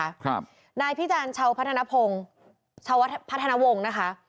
นะครับนายพี่จานเช้าพัฒนภงชาวัดพัฒนวงนะฮะ